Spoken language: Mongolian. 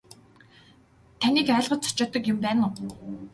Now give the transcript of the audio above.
Таныг айлгаж цочоодог юм байна уу.